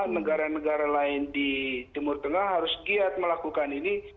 negara negara lain di timur tengah harus giat melakukan ini